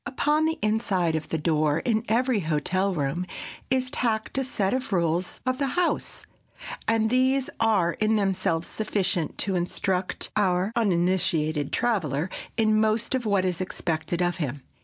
Upon the inside of the door in every hotel room is tacked a set of rules of the house, and these are in themselves sufficient to instruct our uninitiated traveler in most of what is expected of him.